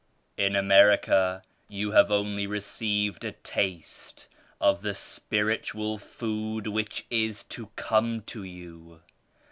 "In America you have only received a taste of the spiritual food which is to come to you.